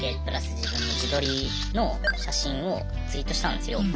自分の自撮りの写真をツイートしたんですよ。